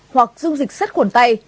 hoặc dung dịch sắt khuẩn tay